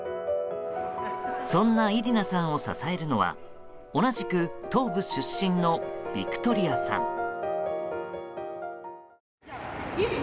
そんなイリナさんを支えるのは同じく東部出身のヴィクトリアさん。